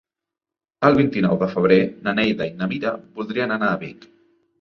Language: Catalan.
El vint-i-nou de febrer na Neida i na Mira voldrien anar a Vic.